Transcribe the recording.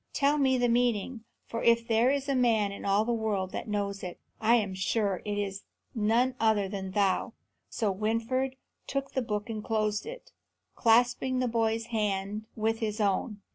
Tell me the meaning, for if there is a man in all the world that knows it, I am sure it is none other than thou." So Winfried took the book and closed it, clasping the boy's hand with his own.